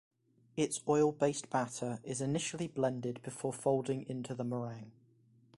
Its oil-based batter is initially blended before folding into the meringue.